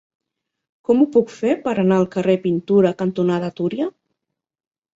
Com ho puc fer per anar al carrer Pintura cantonada Túria?